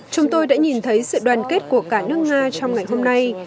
chúng tôi đã nhìn thấy sự đoàn kết của cả nước nga trong ngày hôm nay